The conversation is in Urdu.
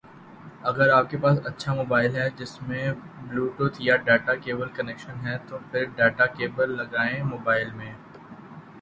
اگر آپ کے پاس اچھا موبائل ہے جس میں بلوٹوتھ یا ڈیٹا کیبل کنیکشن ہے تو پھر ڈیٹا کیبل لگائیں موبائل میں